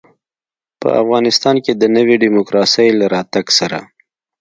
په افغانستان کې د نوي ډيموکراسۍ له راتګ سره.